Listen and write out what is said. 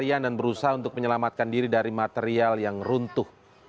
informasi sih tujuh